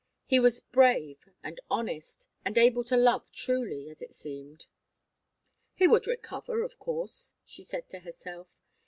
He was brave and honest, and able to love truly, as it seemed. He would recover, of course, she said to herself.